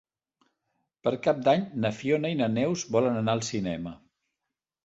Per Cap d'Any na Fiona i na Neus volen anar al cinema.